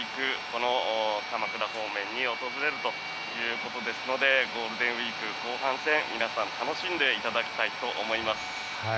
この鎌倉方面に訪れるということですのでゴールデンウィーク後半戦皆さん、楽しんでいただきたいと思います。